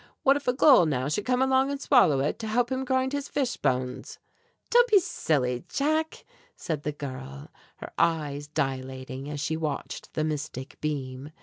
What if a gull, now, should come along and swallow it, to help him grind his fish bones." "Don't be silly, Jack!" said the girl, her eyes dilating as she watched the mystic beam.